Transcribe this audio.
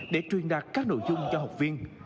để truyền đạt các nội dung cho học viên